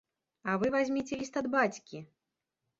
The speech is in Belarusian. А вы вазьміце ліст ад бацькі!